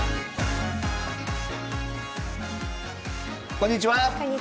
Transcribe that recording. こんにちは。